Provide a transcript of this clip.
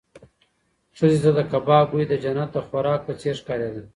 ښځې ته د کباب بوی د جنت د خوراک په څېر ښکارېده.